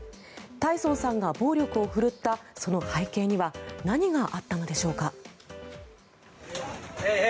タイソンさんが暴力を振るったその背景には何があったのでしょうか。